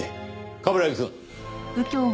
冠城くん！